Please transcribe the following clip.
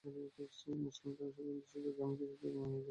মুসলিম জনসাধারণ, বিশেষত গ্রামীণ কৃষকদের উন্নয়নের জন্য তিনি কাজ করেছেন।